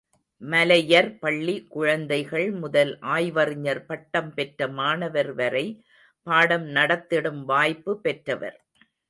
மழலையர் பள்ளி குழந்தைகள் முதல் ஆய்வறிஞர் பட்டம் பெற்ற மாணவர் வரை பாடம் நடத்திடும் வாய்ப்பு பெற்றவர்.